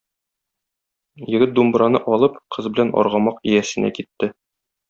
Егет думбраны алып, кыз белән аргамак иясенә китте.